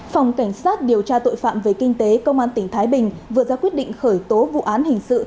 phòng cảnh sát điều tra tội phạm về kinh tế công an tỉnh thái bình vừa ra quyết định khởi tố vụ án hình sự